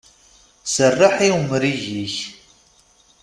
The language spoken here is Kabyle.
Serreḥ i umrig-ik!